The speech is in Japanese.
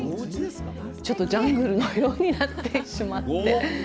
ちょっと、ジャングルのようになってしまって。